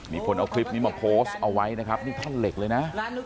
มีคนเอาคลิปนี้มาโพสต์เอาไว้นะครับนี่ท่อนเหล็กเลยนะ